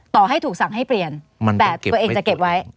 ต่อให้ถูกสั่งให้เปลี่ยนแต่ตัวเองจะเก็บไว้